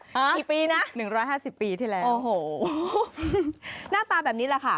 ฮะสักกี่ปีนะโอ้โหหน้าตาแบบนี้แหละค่ะ